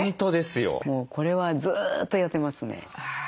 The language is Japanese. もうこれはずっとやってますね。